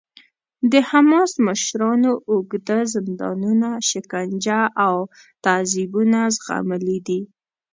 د حماس مشرانو اوږده زندانونه، شکنجه او تعذیبونه زغملي دي.